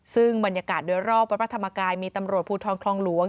ซึ่งบรรยากาศโดยรอบวัดพระธรรมกายมีตำรวจภูทรคลองหลวง